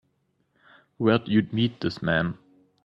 Where'd you meet this man?